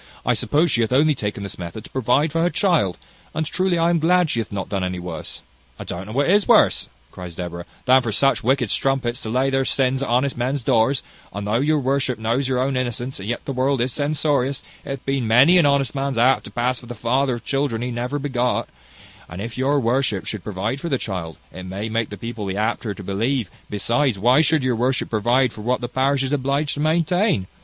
I suppose she hath only taken this method to provide for her child; and truly I am glad she hath not done worse." "I don't know what is worse," cries Deborah, "than for such wicked strumpets to lay their sins at honest men's doors; and though your worship knows your own innocence, yet the world is censorious; and it hath been many an honest man's hap to pass for the father of children he never begot; and if your worship should provide for the child, it may make the people the apter to believe; besides, why should your worship provide for what the parish is obliged to maintain?